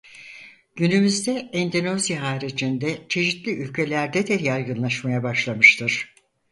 Günümüzde Endonezya haricinde çeşitli ülkelerde de yaygınlaşmaya başlamıştır.